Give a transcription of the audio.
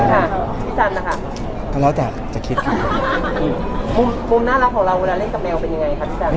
พี่สันนะคะก็แล้วแต่จะคิดค่ะมุมมุมน่ารักของเราเวลาเล่นกับแมวเป็นยังไง